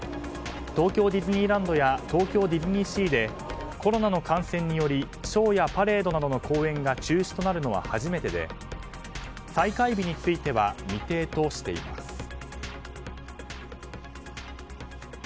東京ディズニーランドや東京ディズニーシーでコロナの感染によりショーやパレードなどの公演が中止となるのは初めてで再開日については未定としています。